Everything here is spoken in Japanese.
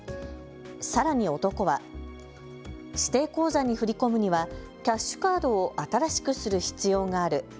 さらに男は指定口座に振り込むにはキャッシュカードを新しくする必要がある。